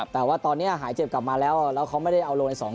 แต่ว่าตอนนี้หายเจ็บกลับมาแล้วแล้วเขาไม่ได้เอาลงใน๒๐